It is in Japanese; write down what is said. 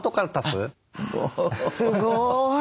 すごい。